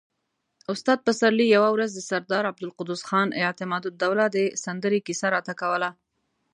استاد پسرلي يوه ورځ د سردار عبدالقدوس خان اعتمادالدوله د سندرې کيسه راته کوله.